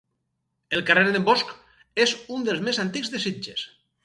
El carrer d'en Bosch és un dels més antics de Sitges.